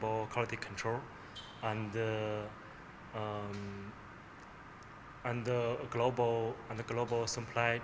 melalui kondisi kualitas yang berkualitas yang berkualitas